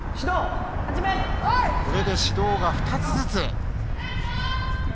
これで指導が２つずつ。